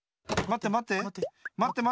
まってまって。